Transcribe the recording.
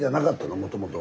もともとは。